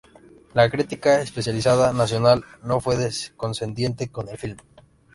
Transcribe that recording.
La crítica especializada nacional no fue condescendiente con el filme.